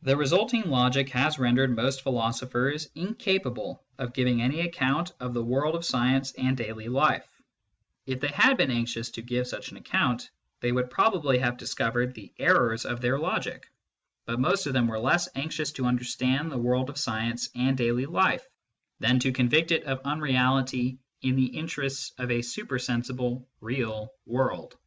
The resulting logic has rendered most philosophers incapable of giving any account of the world of science and daily life, If they had been anxious to give such an account, they would probably have discovered the errors of theii 20 MYSTICISM AND LOGIC logic ; but most of them were less anxious to understand the world of science and daily life than to convict it of unreality in the interests of a super sensible " real " world.